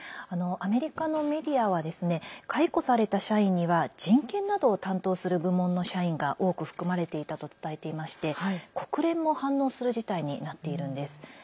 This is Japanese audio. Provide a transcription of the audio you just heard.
アメリカのメディアは解雇された社員には人権などを担当する部門の社員が多く含まれていたと伝えていまして国連も反応する事態になっているんです。